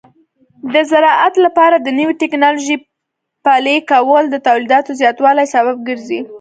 د زراعت لپاره د نوې ټکنالوژۍ پلي کول د تولیداتو زیاتوالي سبب ګرځي.